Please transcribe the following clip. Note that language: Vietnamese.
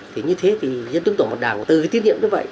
thế như thế thì dân chức tổng bộ đảng tự tiết nhiệm như vậy